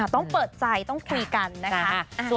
ต้องเปิดใจต้องคุยกันนะคะ